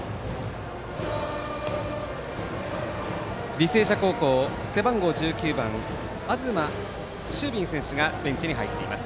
履正社高校、背番号１９番東丞敏選手がベンチに入っています。